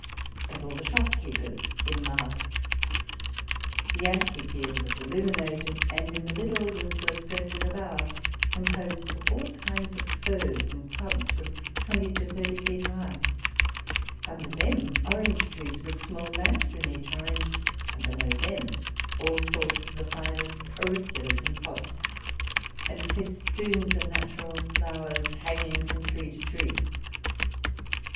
and all the shopkeepers in mask. The amphitheatre was illuminated ; and in the middle was a circu lar bower, composed of all kinds of firs in tubs, from twenty to thirty feet high: under them orange trees, with small lamps in each orange, and below them all sorts of the finest auriculas in pots ; and festoons of natural flowers hanging from tree to tree.